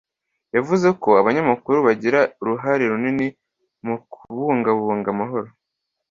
yavuze ko abanyamakuru bagira uruhare runini mu kubungabunga amahoro